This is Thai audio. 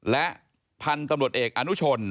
และพันธุ์ตำรวจเอกอนุชน